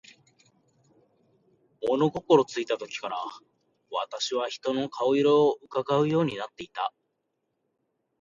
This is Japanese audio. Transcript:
物心ついた時から、私は人の顔色を窺うようになっていた。